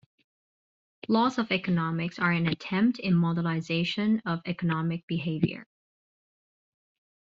Laws of economics are an attempt in modelization of economic behavior.